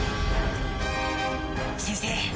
先生